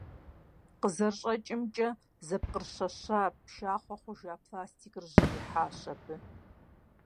КъызэрыщӀэкӀымкӀэ, зэпкърыщэща, пшахъуэ хъужа пластикыр жьым ихьащ абы.